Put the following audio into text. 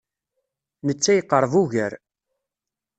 Netta yeqreb ugar.